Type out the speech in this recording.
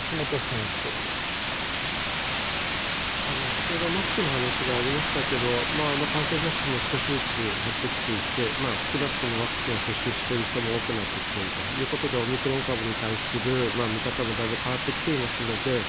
先ほどマスクの話がありましたけど感染者数も少しずつ減ってきていて少なくともワクチンを接種してきている人が多くなっているということで、オミクロン株に対する見方も大分だいぶ変わってきていますので。